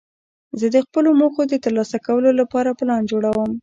زه د خپلو موخو د ترلاسه کولو له پاره پلان جوړوم.